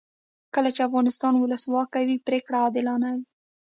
کله چې افغانستان کې ولسواکي وي پرېکړې عادلانه وي.